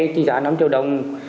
tỷ giá năm triệu đồng